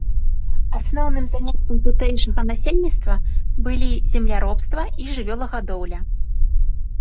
Асноўным заняткам тутэйшага насельніцтва былі земляробства і жывёлагадоўля.